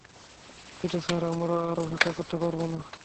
দুঃখিত স্যার, আমরা আর অপেক্ষা করতে পারব না!